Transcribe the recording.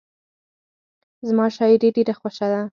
زما شاعري ډېره خوښه ده.